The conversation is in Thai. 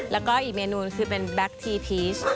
แล้วก็อีกเมนูคือเป็นแบ็คทีพีช